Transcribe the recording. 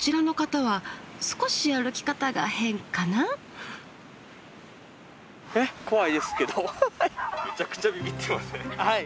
はい。